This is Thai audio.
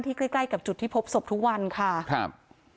นี่ค่ะคือที่นี้ตัวใยทวดที่ทำให้สามีเธอเสียชีวิตรึเปล่าแล้วก็ไปพบศพในคลองหลังบ้าน